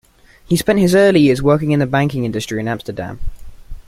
He spent his early years working in the banking industry in Amsterdam.